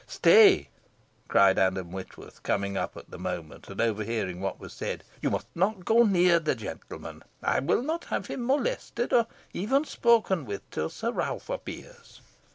"Stay!" cried Adam Whitworth, coming up at the moment, and overhearing what was said "you must not go near the gentleman. I will not have him molested, or even spoken with, till Sir Ralph appears."